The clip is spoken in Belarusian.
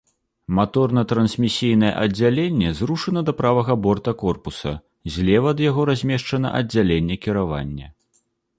Маторна-трансмісійнае аддзяленне зрушана да правага борта корпуса, злева ад яго размешчана аддзяленне кіравання.